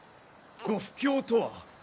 ご不興とは？